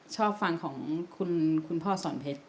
ชอบฟังของคุณพ่อสอนเพชร